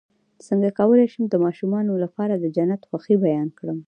څنګه کولی شم د ماشومانو لپاره د جنت د خوښۍ بیان کړم